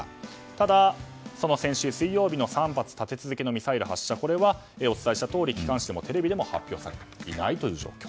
ただ、先週水曜日の立て続けの３発発射これはお伝えしたとおり機関紙でもテレビでも発表されていない状況。